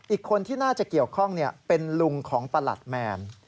อีกคนที่น่าจะเกี่ยวข้องเป็นลุงของประหลัดแมน